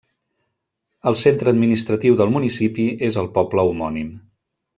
El centre administratiu del municipi és el poble homònim.